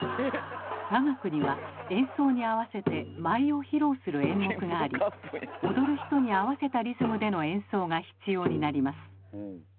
雅楽には演奏に合わせて舞いを披露する演目があり踊る人に合わせたリズムでの演奏が必要になります。